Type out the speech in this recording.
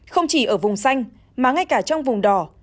không chỉ ở vùng xanh mà ngay cả trong vùng đỏ